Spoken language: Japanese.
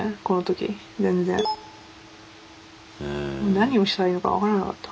何をしたらいいのか分からなかった。